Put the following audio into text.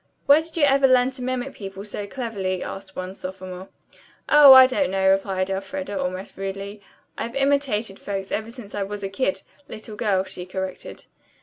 "Where did you ever learn to mimic people so cleverly?" asked one sophomore. "Oh, I don't know," replied Elfreda almost rudely. "I've imitated folks ever since I was a kid little girl," she corrected.